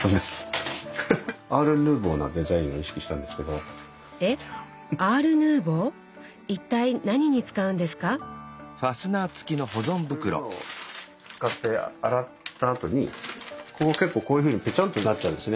こういうものを使って洗ったあとにここ結構こういうふうにぺちゃんとなっちゃうんですね。